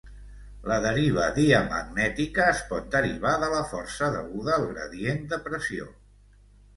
La deriva diamagnètica es pot derivar de la força deguda al gradient de pressió.